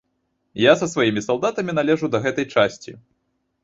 Я са сваімі салдатамі належу да гэтай часці.